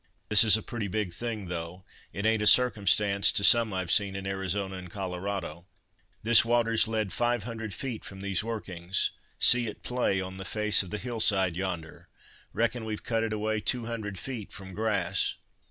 This is a pretty big thing, though it ain't a circumstance to some I've seen in Arizona and Colorado. This water's led five hundred feet from these workings. See it play on the face of the hill side yonder—reckon we've cut it away two hundred feet from grass."